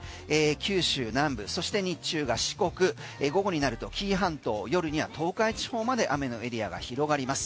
九州南部そして日中が四国午後になると紀伊半島夜には東海地方まで雨のエリアが広がります。